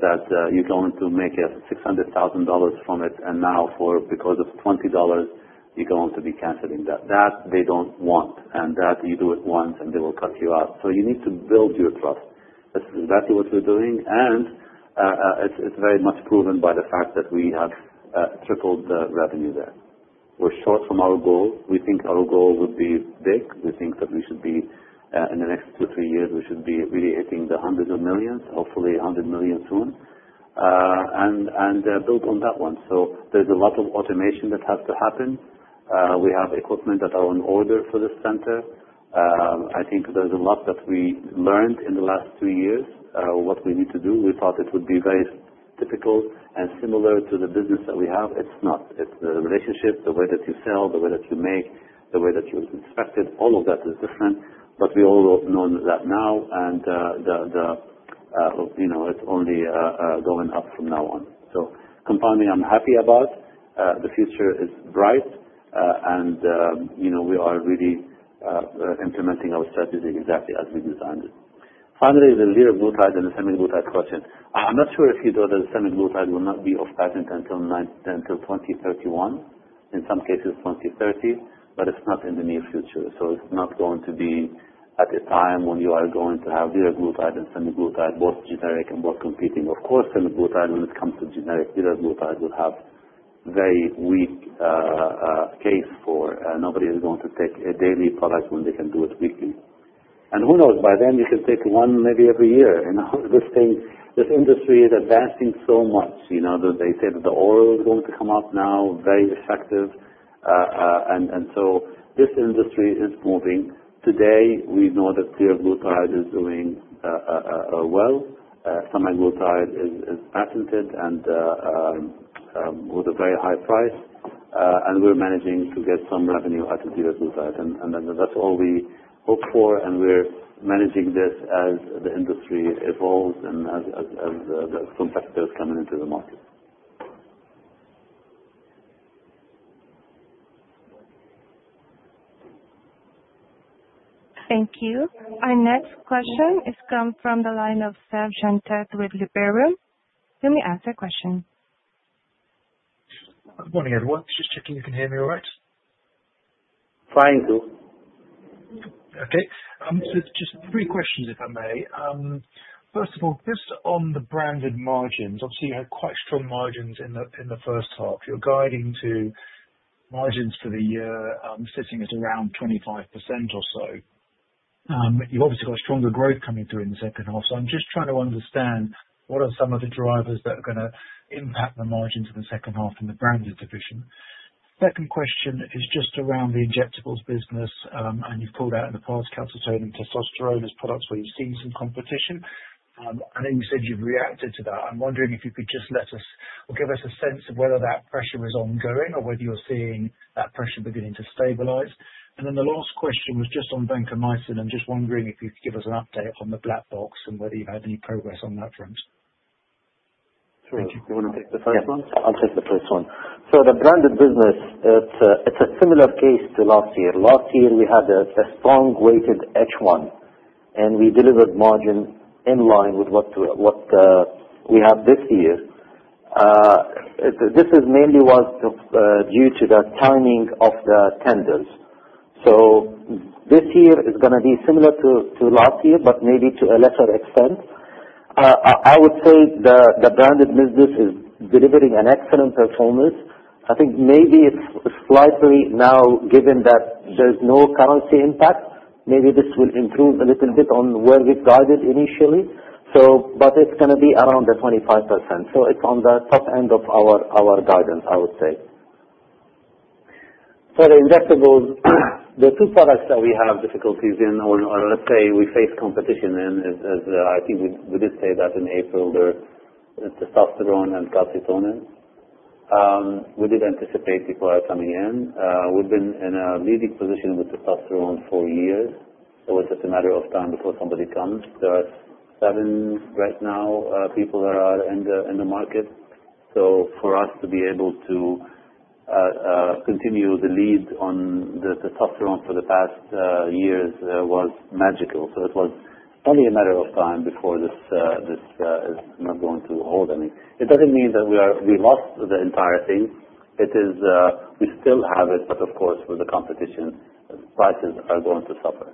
that you're going to make $600,000 from it, and now, because of $20, you're going to be canceling that. That they don't want. You do it once, and they will cut you out. You need to build your trust. This is exactly what we're doing. It's very much proven by the fact that we have tripled the revenue there. We're short from our goal. We think our goal would be big. We think that we should be, in the next two, three years, we should be really hitting the hundreds of millions, hopefully $100 million soon. There's a lot of automation that has to happen. We have equipment that are on order for this center. I think there's a lot that we learned in the last three years, what we need to do. We thought it would be very typical and similar to the business that we have. It's not. It's the relationship, the way that you sell, the way that you make, the way that you inspect it. All of that is different. We all know that now. It's only going up from now on. Compounding, I'm happy about. The future is bright. We are really implementing our strategy exactly as we designed it. Finally, the liraglutide and the Semaglutide question. I'm not sure if you know that the Semaglutide will not be off patent until 2031. In some cases, 2030. It's not in the near future. It's not going to be at a time when you are going to have liraglutide and Semaglutide, both generic and both competing. Of course, Semaglutide, when it comes to generic, liraglutide will have a very weak case for, nobody is going to take a daily product when they can do it weekly. Who knows? By then, you should take one maybe every year. This industry is advancing so much. They say that the oral is going to come up now, very effective. This industry is moving. Today, we know that liraglutide is doing well. Semaglutide is patented and with a very high price. We're managing to get some revenue out of liraglutide. That's all we hope for. We're managing this as the industry evolves and as the competitors come into the market. Thank you. Our next question is coming from the line of Sebastien Jantet with Liberum. Let me ask a question. Good morning, Just checking, you can hear me all right? Fine to. Okay. Just three questions, if I may. First of all, just on the branded margins, obviously, you have quite strong margins in the first half. You're guiding to margins for the year, sitting at around 25% or so. You've obviously got stronger growth coming through in the second half. I'm just trying to understand what are some of the drivers that are going to impact the margins in the second half in the branded division. The second question is just around the injectables business, and you've called out in the past, Castellane and Posofthrone as products where you've seen some competition. I know you said you've reacted to that. I'm wondering if you could just let us or give us a sense of whether that pressure is ongoing or whether you're seeing that pressure beginning to stabilize. The last question was just on vancomycin. I'm just wondering if you could give us an update on the black box and whether you've had any progress on that front. Sure. Do you want to take the first one? I'll take the first one. The branded business, it's a similar case to last year. Last year, we had a strong weighted H1, and we delivered margin in line with what we have this year. This mainly was due to the timing of the tenders. This year is going to be similar to last year but maybe to a lesser extent. I would say the branded business is delivering an excellent performance. I think maybe it's slightly now given that there's no currency impact. Maybe this will improve a little bit on where we started initially, but it's going to be around the 25%. It's on the top end of our guidance, I would say. The injectables, the two products that we have difficulties in, or let's say we face competition in, I think we did say that in April, the Testosterone and Calcitonin. We did anticipate people are coming in. We've been in a leading position with Testosterone for years. It's just a matter of time before somebody comes. There are seven right now, people that are in the market. For us to be able to continue the lead on the Testosterone for the past years was magical. It was only a matter of time before this is not going to hold any. It doesn't mean that we lost the entire thing. We still have it, but of course, with the competition, the prices are going to suffer.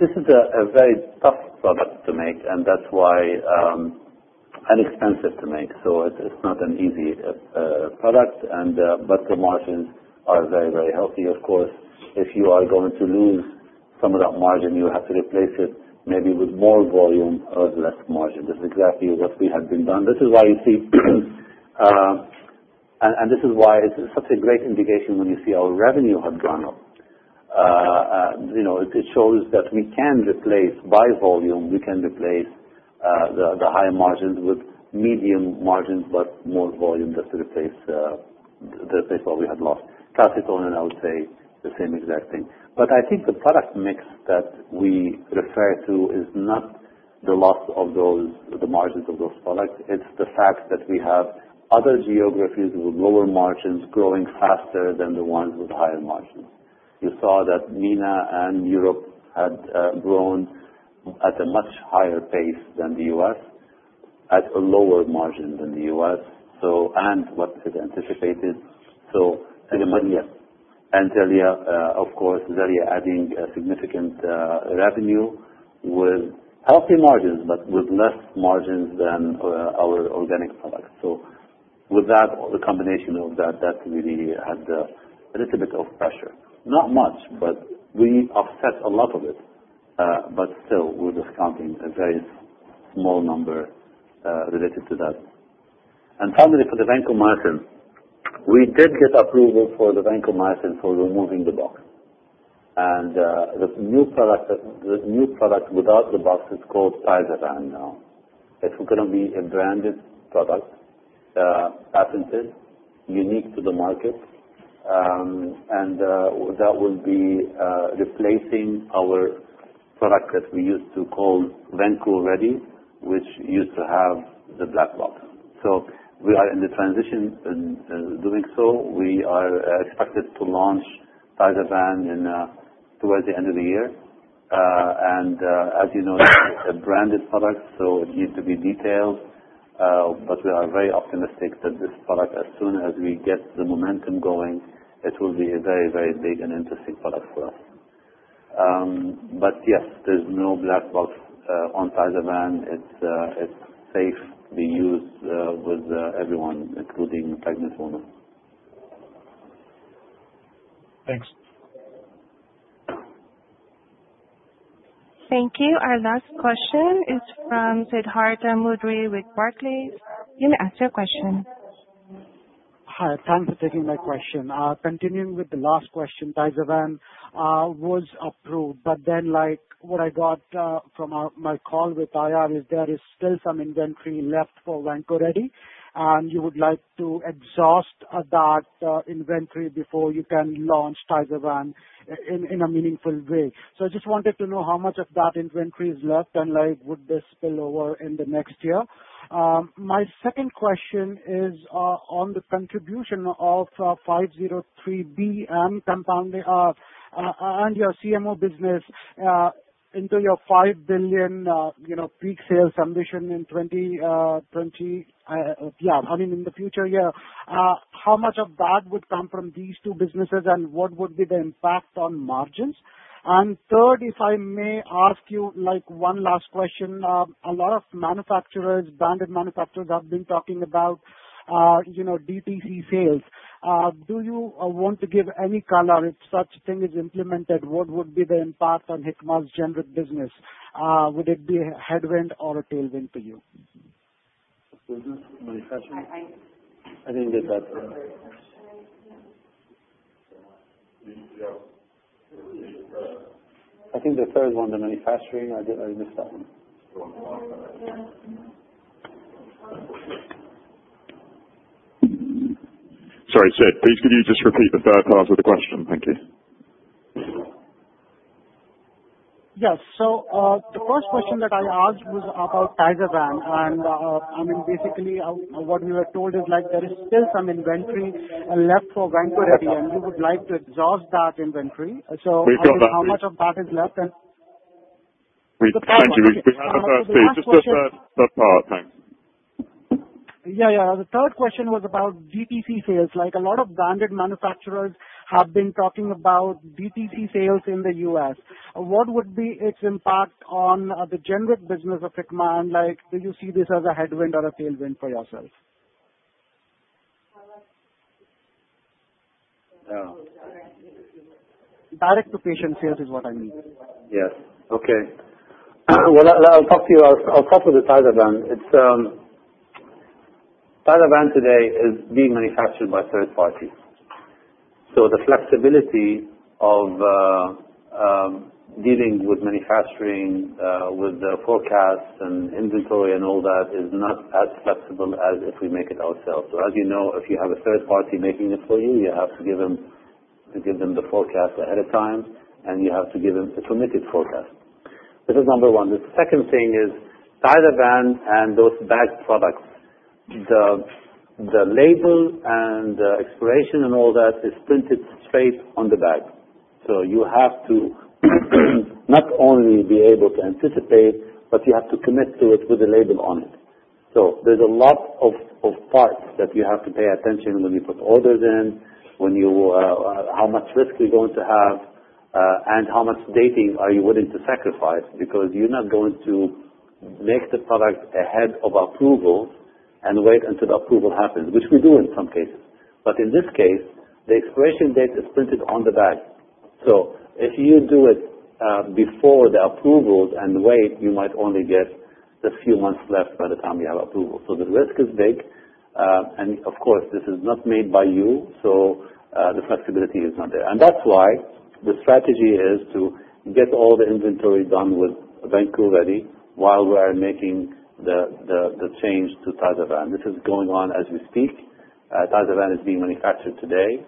This is a very tough product to make, and that's why, and expensive to make. It's not an easy product, but the margins are very, very healthy, of course. If you are going to lose some of that margin, you have to replace it maybe with more volume or less margin. This is exactly what we had been done. This is why you see, and this is why it's such a great indication when you see our revenue had gone up. It shows that we can replace by volume. We can replace the higher margins with medium margins but more volume just to replace the place where we had lost. Calcitonin, I would say the same exact thing. I think the product mix that we refer to is not the loss of those, the margins of those products. It's the fact that we have other geographies with lower margins growing faster than the ones with higher margins. You saw that MENA and Europe had grown at a much higher pace than the U.S. at a lower margin than the U.S. and what is anticipated. Zelia, of course, Zelia, adding a significant revenue with healthy margins but with less margins than our organic product. With that, the combination of that really had a little bit of pressure. Not much, but we offset a lot of it. Still, we're discounting a very small number related to that. Finally, for the vancomycin, we did get approval for the vancomycin for removing the box. The new product without the box is called Tizaran now. It's going to be a branded product, patented, unique to the market. That will be replacing our product that we used to call Vanco Ready, which used to have the black box. We are in the transition in doing so. We are expected to launch Tizaran towards the end of the year. As you know, a branded product needs to be detailed, but we are very optimistic that this product, as soon as we get the momentum going, will be a very, very big and interesting product for us. Yes, there's no black box on Tizaran. It's safe to be used with everyone, including pregnant women. Thanks. Thank you. Our last question is from Siddhartha Modri with Barclays. You may ask your question. Hi. Thanks for taking my question. Continuing with the last question, Pyzina was approved. From my call with Ariad, there is still some inventory left for Vanco Ready, and you would like to exhaust that inventory before you can launch Pyzina in a meaningful way. I just wanted to know how much of that inventory is left, and would this spill over into next year? My second question is on the contribution of 503B compounding and your CMO business into your $5 billion peak sales ambition in 2020, I mean, in the future. How much of that would come from these two businesses, and what would be the impact on margins? Third, if I may ask one last question, a lot of manufacturers, branded manufacturers, have been talking about DTC sales. Do you want to give any color if such a thing is implemented? What would be the impact on Hikma's generic business? Would it be a headwind or a tailwind to you? Of course, just manufacturing. I think the third one, the manufacturing. I missed that one. Sorry, Sid. Please can you just repeat the third part of the question? Thank you. Yes. The first question that I asked was about Pyzina. Basically, what we were told is there is still some inventory left for Vanco Ready, and you would like to exhaust that inventory. How much of that is left? Thank you. Just the third part. Thanks. Yeah, yeah. The third question was about DTC sales. Like a lot of branded manufacturers have been talking about DTC sales in the U.S. What would be its impact on the generic business of Hikma? Do you see this as a headwind or a tailwind for yourself? Direct-to-patient sales is what I mean. Yes. Okay. I'll talk to you. I'll start with the Pyzina. Pyzina today is being manufactured by a third party. The flexibility of dealing with manufacturing, with the forecast and inventory and all that, is not as flexible as if we make it ourselves. As you know, if you have a third party making it for you, you have to give them the forecast ahead of time, and you have to give them a permitted forecast. This is number one. The second thing is Pyzina and those bagged products, the label and the expiration and all that is printed straight on the bag. You have to, I suppose, not only be able to anticipate, but you have to commit to it with the label on it. There are a lot of parts that you have to pay attention to when you put orders in, how much risk you're going to have, and how much dating you are willing to sacrifice because you're not going to make the product ahead of approval and wait until the approval happens, which we do in some cases. In this case, the expiration date is printed on the bag. If you do it before the approval and wait, you might only get a few months left by the time you have approval. The risk is big, and of course, this is not made by you, so the flexibility is not there. That's why the strategy is to get all the inventory done with Vanco Ready while we're making the change to Pyzina. This is going on as we speak. Pyzina is being manufactured today,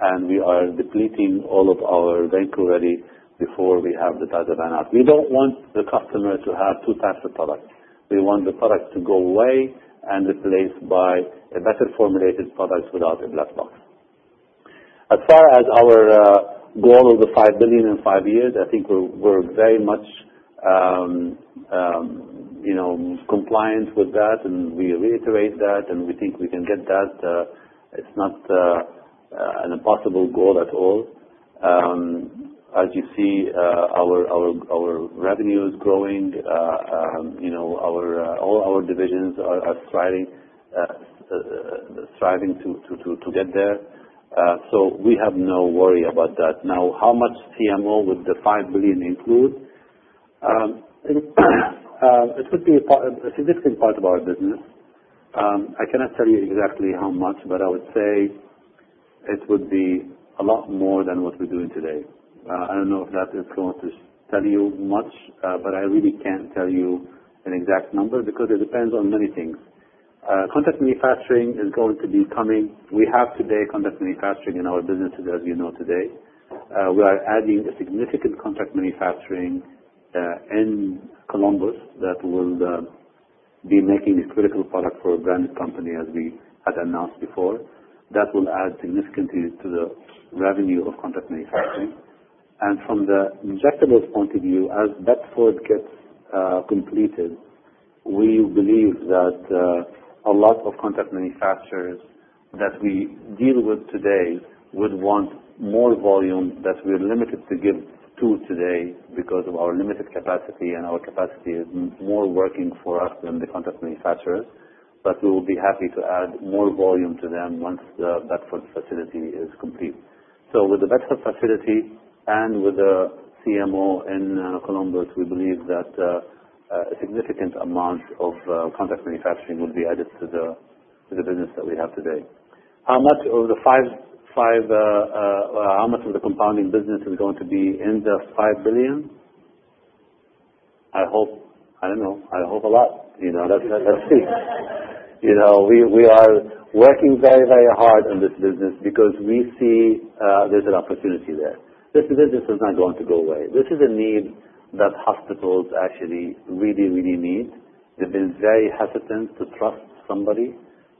and we are depleting all of our Vanco Ready before we have the Pyzina out. We don't want the customer to have two types of products. We want the products to go away and be replaced by a better formulated product without a black box. As far as our goal of the $5 billion in 5 years, I think we're very much, you know, compliant with that. We reiterate that, and we think we can get that. It's not an impossible goal at all. As you see, our revenue is growing. All our divisions are striving to get there, so we have no worry about that. Now, how much CMO would the $5 billion include? It could be a significant part of our business. I cannot tell you exactly how much, but I would say it would be a lot more than what we're doing today. I don't know if that influence is telling you much, but I really can't tell you an exact number because it depends on many things. Contract manufacturing is going to be coming. We have today contract manufacturing in our business today, as you know, today. We are adding a significant contract manufacturing, in Columbus that will be making a critical product for a branded company, as we had announced before. That will add significantly to the revenue of contract manufacturing. From the injectables point of view, as Bedford gets completed, we believe that a lot of contract manufacturers that we deal with today would want more volume that we're limited to give today because of our limited capacity, and our capacity is more working for us than the contract manufacturer. We will be happy to add more volume to them once the Bedford facility is complete. With the Bedford facility and with the CMO in Columbus, we believe that a significant amount of contract manufacturing will be added to the business that we have today. How much of the $5 billion, how much of the compounding business is going to be in the $5 billion? I hope. I don't know. I hope a lot. That's a thing. We are working very, very hard on this business because we see there's an opportunity there. This business is not going to go away. This is a need that hospitals actually really, really need. They've been very hesitant to trust somebody,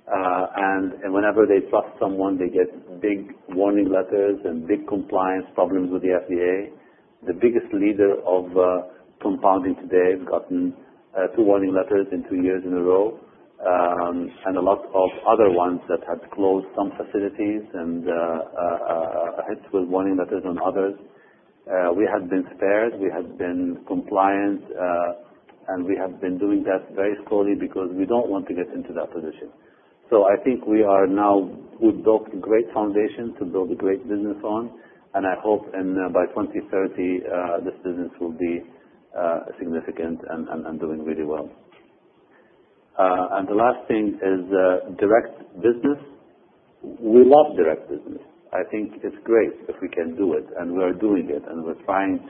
and whenever they trust someone, they get big warning letters and big compliance problems with the FDA. The biggest leader of compounding today has gotten two warning letters in two years in a row, and a lot of other ones that had closed some facilities and hit with warning letters on others. We have been spared. We have been compliant, and we have been doing that very slowly because we don't want to get into that position. I think we are now, we built a great foundation to build a great business on. I hope by 2030, this business will be significant and doing really well. The last thing is direct business. We love direct business. I think it's great if we can do it. We're doing it, and we're trying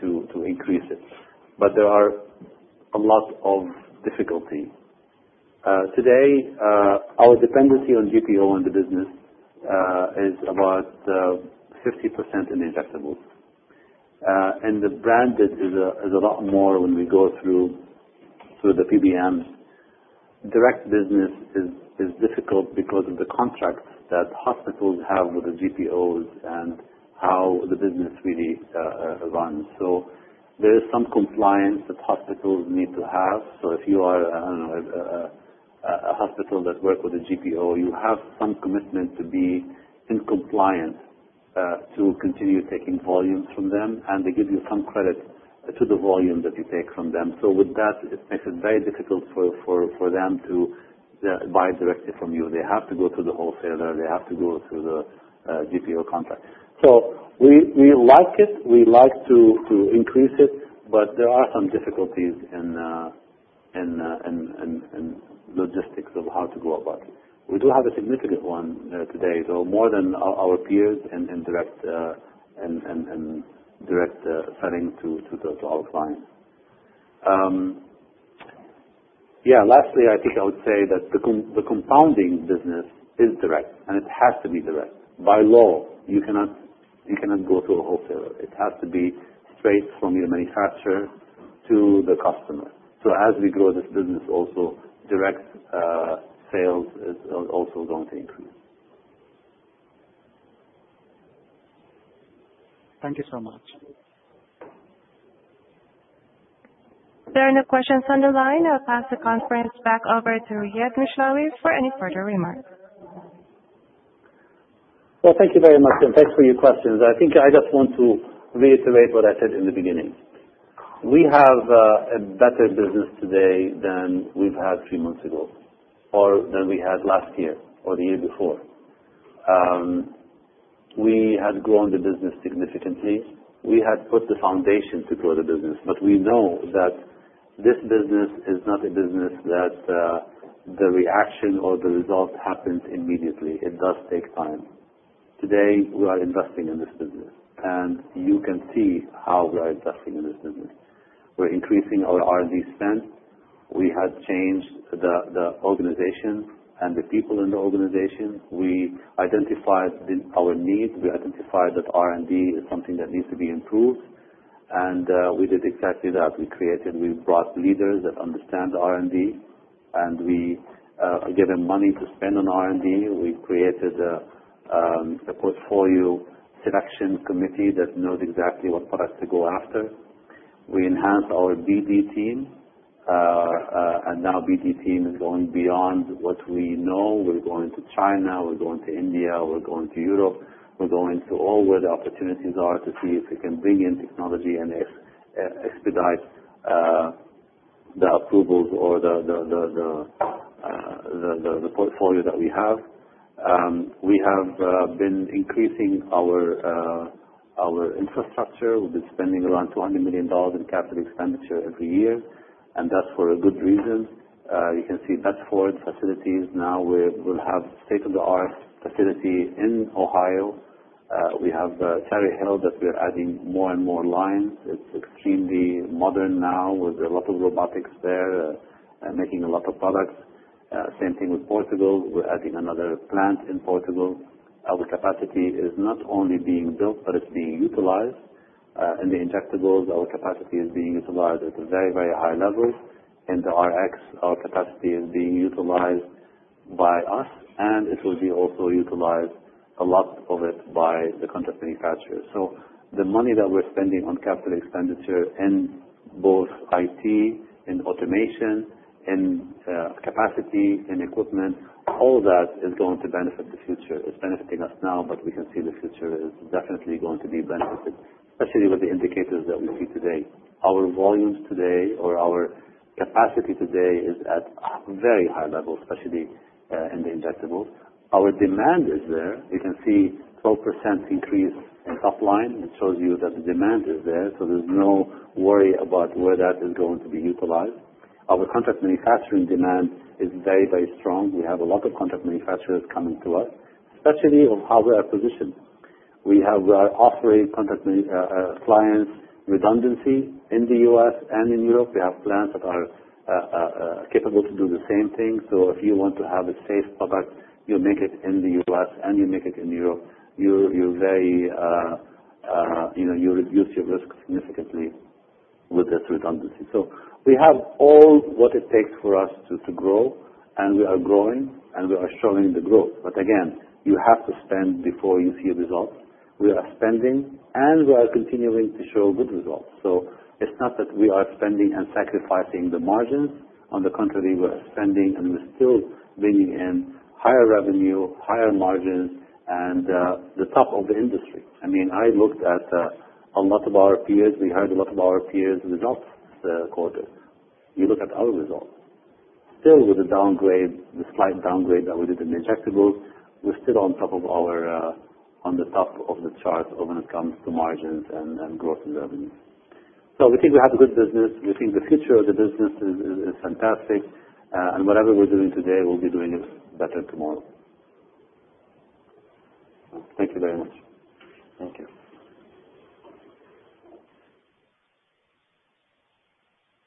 to increase it. There are a lot of difficulties. Today, our dependency on GPO in the business is about 50% in the injectables, and the branded is a lot more when we go through the PBMs. Direct business is difficult because of the contracts that hospitals have with the GPOs and how the business really runs. There is some compliance that hospitals need to have. If you are, I don't know, a hospital that works with a GPO, you have some commitment to be in compliance to continue taking volumes from them. They give you some credit to the volume that you take from them. With that, it makes it very difficult for them to buy directly from you. They have to go through the wholesaler. They have to go through the GPO contact. We like it. We like to increase it, but there are some difficulties in logistics of how to go about it. We do have a significant one today, though, more than our peers in direct selling to our clients. Lastly, I would say that the compounding business is direct, and it has to be direct. By law, you cannot go to a wholesaler. It has to be straight from your manufacturer to the customer. As we grow this business also, direct sales is also going to increase. Thank you so much. There are no questions on the line. I'll pass the conference back over to Riad Mishlawi for any further remarks. Thank you very much. And thanks for your questions. I think I just want to reiterate what I said in the beginning. We have a better business today than we've had three months ago or than we had last year or the year before. We had grown the business significantly. We had put the foundation to grow the business. We know that this business is not a business that the reaction or the result happens immediately. It does take time. Today, we are investing in this business. You can see how we are investing in this business. We're increasing our R&D spend. We have changed the organization and the people in the organization. We identified our needs. We identified that R&D is something that needs to be improved. We did exactly that. We brought leaders that understand the R&D. We gave them money to spend on R&D. We created a portfolio selection committee that knows exactly what products to go after. We enhanced our BD team, and now the BD team is going beyond what we know. We're going to China. We're going to India. We're going to Europe. We're going to all where the opportunities are to see if we can bring in technology and expedite the approvals or the portfolio that we have. We have been increasing our infrastructure. We've been spending around $200 million in capital expenditure every year, and that's for a good reason. You can see Bedford facilities. Now we'll have a state-of-the-art facility in Ohio. We have Cherry Hill that we're adding more and more lines. It's extremely modern now with a lot of robotics there and making a lot of products. Same thing with Portugal. We're adding another plant in Portugal. Our capacity is not only being built, but it's being utilized. In the injectables, our capacity is being utilized at very, very high levels. In the RX, our capacity is being utilized by us, and it will be also utilized, a lot of it, by the contract manufacturers. The money that we're spending on capital expenditure in both IT and automation and capacity and equipment, all that is going to benefit the future. It's benefiting us now. We can see the future is definitely going to be benefited, especially with the indicators that we see today. Our volumes today or our capacity today is at very high levels, especially in the injectables. Our demand is there. You can see 12% increase in top line. It shows you that the demand is there. There is no worry about where that is going to be utilized. Our contract manufacturing demand is very, very strong. We have a lot of contract manufacturers coming to us, especially on how we are positioned. We are offering contract clients redundancy in the U.S. and in Europe. We have plants that are capable to do the same thing. If you want to have a safe product, you make it in the U.S. and you make it in Europe. You reduce your risk significantly with this redundancy. We have all what it takes for us to grow, and we are growing. We are showing the growth. You have to spend before you see a result. We are spending, and we are continuing to show good results. It is not that we are spending and sacrificing the margins. On the contrary, we're spending and we're still bringing in higher revenue, higher margins, and the top of the industry. I looked at a lot of our peers. We hired a lot of our peers in the docs the quarter. You look at our result. Still with the downgrade, the slight downgrade that we did in the injectables, we're still on top of our, on the top of the chart when it comes to margins and growth in revenue. We think we have a good business. We think the future of the business is fantastic, and whatever we're doing today, we'll be doing it better tomorrow. Thank you, Riad. Thank you.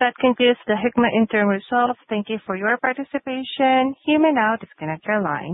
That concludes the Hikma interim results. Thank you for your participation. You may now disconnect your line.